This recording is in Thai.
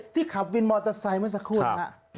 ขับวินมอเตอร์ไซค์เมื่อสักครู่นะฮะ